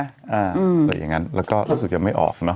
หรือยังงั้นแล้วก็รู้สึกจะไม่ออกเนอะ